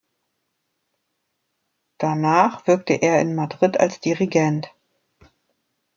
Danach wirkte er in Madrid als Dirigent.